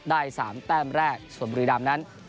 ได้๓แต้มแรกส่วนบุรีรำนั้น